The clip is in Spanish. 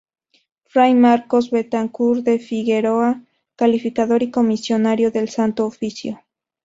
Fray Marcos Betancur de Figueroa, calificador y comisario del Santo Oficio.